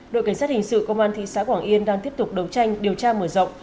đội cảnh sát hình sự công an thị xã quảng yên đang tiếp tục đấu tranh điều tra mở rộng